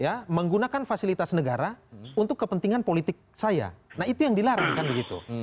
ya menggunakan fasilitas negara untuk kepentingan politik saya nah itu yang dilarang kan begitu